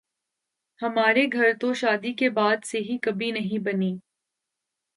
ہمارے گھر تو شادی کے بعد سے ہی کبھی نہیں بنی